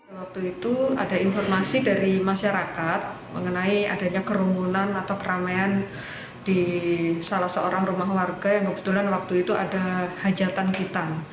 waktu itu ada informasi dari masyarakat mengenai adanya kerumunan atau keramaian di salah seorang rumah warga yang kebetulan waktu itu ada hajatan kita